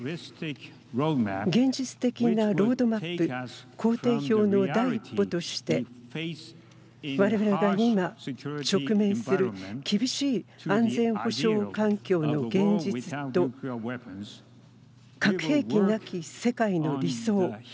現実的なロードマップ行程表の第一歩としてわれわれが今、直面する厳しい安全保障環境の現実と核兵器なき世界の理想。